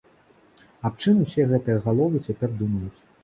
Аб чым усе гэтыя галовы цяпер думаюць.